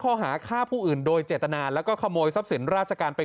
ข้อหาฆ่าผู้อื่นโดยเจตนาแล้วก็ขโมยทรัพย์สินราชการไป